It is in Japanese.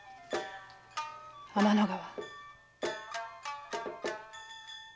天の川。